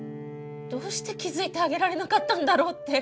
どうして気付いてあげられなかったんだろうって。